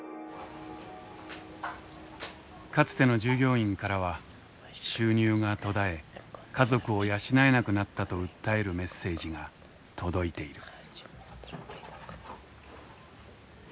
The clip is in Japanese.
かつての従業員からは収入が途絶え家族を養えなくなったと訴えるメッセージが届いている。